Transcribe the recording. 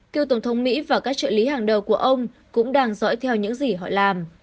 cựu tổng thống mỹ và các trợ lý hàng đầu của ông cũng đang dõi theo những gì họ làm